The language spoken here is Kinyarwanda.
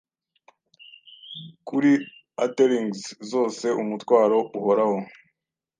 Kuri atelings zoseumutwaro uhoraho